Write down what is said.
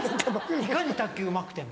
いかに卓球うまくても。